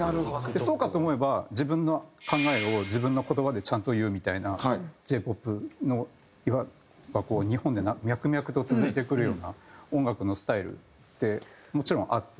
そうかと思えば自分の考えを自分の言葉でちゃんと言うみたいなＪ−ＰＯＰの言わば日本で脈々と続いてくるような音楽のスタイルってもちろんあって。